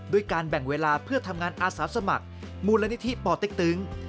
การแบ่งเวลาเพื่อทำงานอาสาสมัครมูลนิธิป่อเต็กตึง